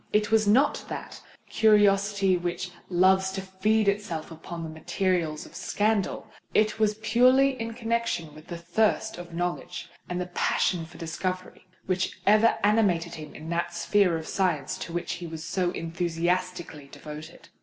It was not that curiosity which loves to feed itself upon the materials of scandal. It was purely in connexion with the thirst of knowledge and the passion for discovery which ever animated him in that sphere of science to which he was so enthusiastically devoted.